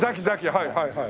はいはいはい。